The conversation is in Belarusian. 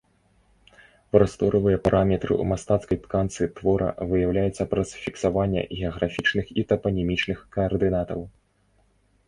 Прасторавыя параметры ў мастацкай тканцы твора выяўляюцца праз фіксаванне геаграфічных і тапанімічных каардынатаў.